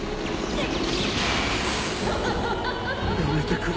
うっ！